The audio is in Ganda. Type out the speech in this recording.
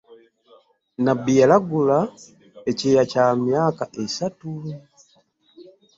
Nabbi yalagula ekyeya kya myaka esatu .